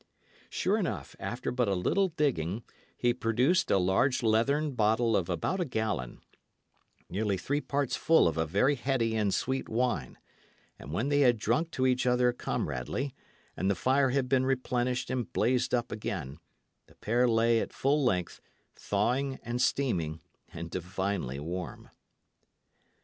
Sure enough, after but a little digging, he produced a big leathern bottle of about a gallon, nearly three parts full of a very heady and sweet wine; and when they had drunk to each other comradely, and the fire had been replenished and blazed up again, the pair lay at full length, thawing and steaming, and divinely warm.